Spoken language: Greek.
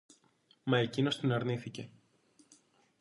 Μα εκείνος την αρνήθηκε